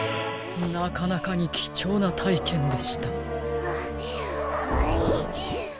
なかなかにきちょうなたいけんでした。